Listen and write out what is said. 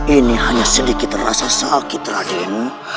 ini hanya sedikit rasa sakit radin